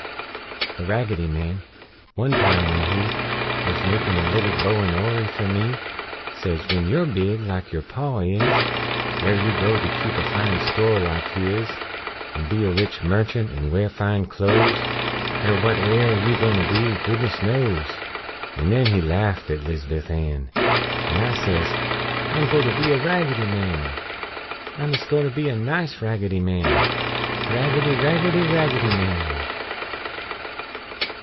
The Raggedy Man one time when he Wuz makin' a little bow 'n' orry fer me, Says "When you're big like your Pa is, Air you go' to keep a fine store like his An' be a rich merchunt an' wear fine clothes? Er what air you go' to be, goodness knows!" An' nen he laughed at 'Lizabuth Ann, An' I says "'M go' to be a Raggedy Man! I'm ist go' to be a nice Raggedy Man!" Raggedy! Raggedy! Raggedy Man!